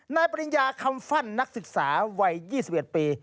ปริญญาคำฟั่นนักศึกษาวัย๒๑ปี